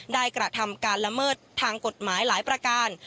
กระทำการละเมิดทางกฎหมายหลายประการ